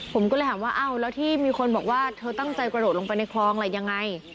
ผมก็เลยถามว่าอ้าวแล้วที่มีคนบอกว่าเธอตั้งใจกระโดดลงไปในคลองล่ะยังไง